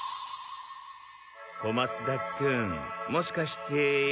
小松田君もしかして。